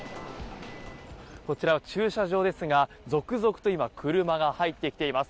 こちら、駐車場ですが続々と今車が入ってきています。